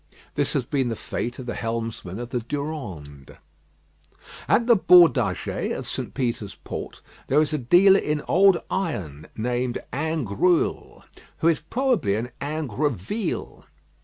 This had been the fate of the helmsman of the Durande. At the Bordagé of St. Peter's Port, there is a dealer in old iron named Ingrouille, who is probably an Ingroville.